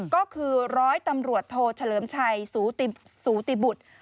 ก็คือร้อยตำรวจโทเฉลิมชัยสูติบุตร